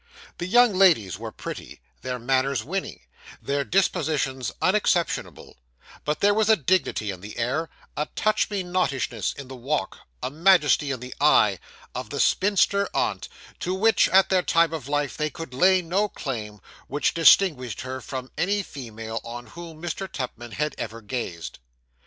The young ladies were pretty, their manners winning, their dispositions unexceptionable; but there was a dignity in the air, a touch me not ishness in the walk, a majesty in the eye, of the spinster aunt, to which, at their time of life, they could lay no claim, which distinguished her from any female on whom Mr. Tupman had ever gazed.